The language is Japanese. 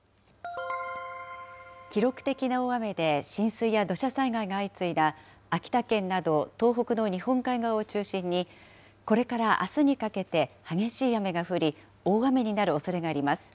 記録的な大雨で浸水や土砂災害が相次いだ秋田県など、東北の日本海側を中心にこれからあすにかけて激しい雨が降り、大雨になるおそれがあります。